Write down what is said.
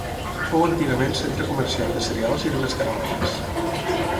Fou antigament centre comercial de cereals i de les caravanes.